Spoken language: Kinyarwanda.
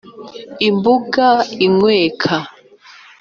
imbuga inyweka,